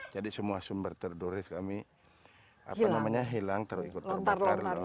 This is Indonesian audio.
jadi semua sumber tertulis kami hilang terikut terbakar